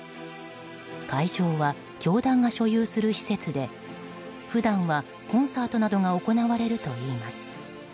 会場は教団が所有する施設で普段はコンサートなどが行われるといいます。